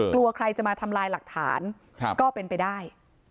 กลัวใครจะมาทำลายหลักฐานก็เป็นไปได้